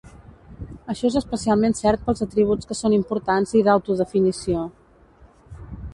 Això és especialment cert pels atributs que són importants i d"autodefinició.